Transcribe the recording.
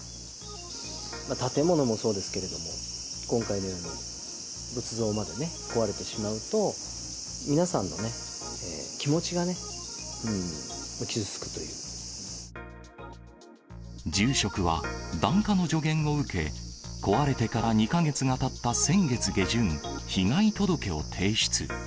建物もそうですけれども、今回のように仏像までね、壊れてしまうと、皆さんのね、気持ちがね、住職は、檀家の助言を受け、壊れてから２か月がたった先月下旬、被害届を提出。